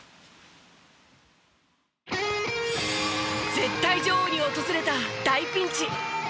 絶対女王に訪れた大ピンチ。